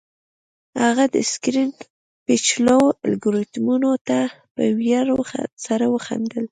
هغه د سکرین پیچلو الګوریتمونو ته په ویاړ سره وخندل